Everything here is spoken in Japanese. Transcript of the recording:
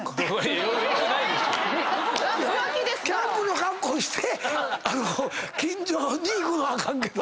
えっ⁉キャンプの格好して近所に行くのはあかんけど。